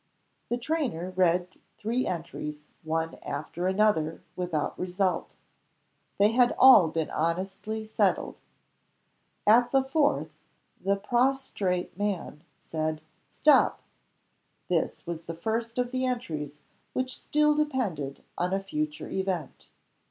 The trainer read three entries, one after another, without result; they had all been honestly settled. At the fourth the prostrate man said, "Stop!" This was the first of the entries which still depended on a future event.